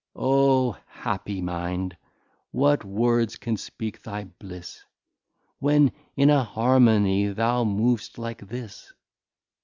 Oh happy Mind! what words can speak thy Bliss, When in a Harmony thou mov'st like this?